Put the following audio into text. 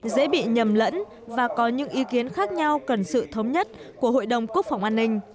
dễ bị nhầm lẫn và có những ý kiến khác nhau cần sự thống nhất của hội đồng quốc phòng an ninh